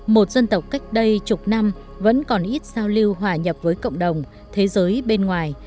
một dân tộc cách đây chục năm vẫn còn ít giao lưu hòa nhập với cộng đồng thế giới bên ngoài